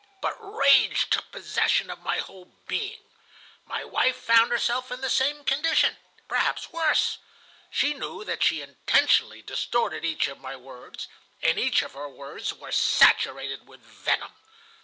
But rage took possession of my whole being. My wife found herself in the same condition, perhaps worse. She knew that she intentionally distorted each of my words, and each of her words was saturated with venom.